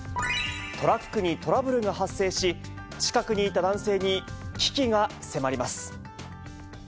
トラックにトラブルが発生し、近くにいた男性に危機が迫ります。